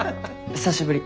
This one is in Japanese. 久しぶり。